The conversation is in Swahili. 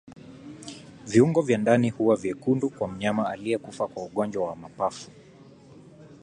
Viungo vya ndani huwa vyekundu kwa mnyama aliyekufa kwa ugonjwa wa mapafu